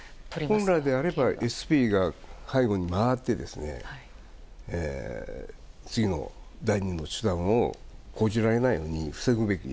本来であればＳＰが背後に回って次の、第二の手段を講じられる前に防ぐべき。